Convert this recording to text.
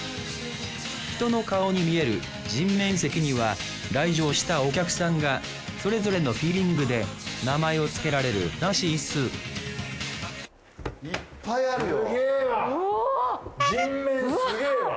人の顔に見える人面石には来場したお客さんがそれぞれのフィーリングで名前をつけられるらしいっす人面すげぇわ。